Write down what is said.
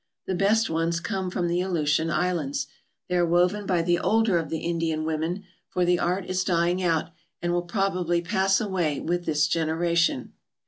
The best ones come from the Aleutian Islands. They are woven by the older of the Indian women, for the art is dying out and will probably pass away with this generation.